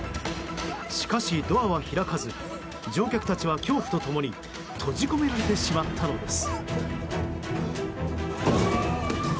しかし、ドアは開かず乗客たちは恐怖と共に閉じ込められてしまったのです。